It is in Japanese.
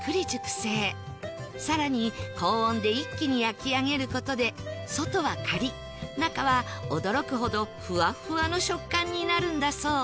更に高温で一気に焼き上げる事で外はカリッ中は驚くほどふわふわの食感になるんだそう